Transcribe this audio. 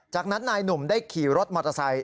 จากนั้นนายหนุ่มได้ขี่รถมอเตอร์ไซค